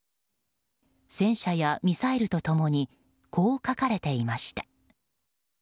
戦車やミサイルと共にこう書かれていました。